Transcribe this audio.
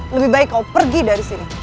lebih baik kau pergi dari sini